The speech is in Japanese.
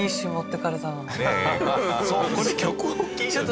これ曲を聴いちゃうよね。